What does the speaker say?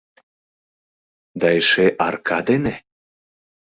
— Да эше арака дене?